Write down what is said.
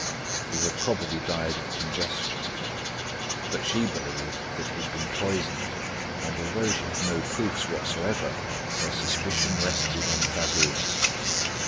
He had probably died of congestion. But she believed that he had been poisoned, and although she had no proofs whatever, her suspicion rested on Fabu.